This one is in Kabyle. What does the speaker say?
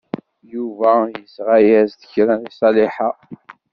Yuba yesɣa-as-d kra i Ṣaliḥa.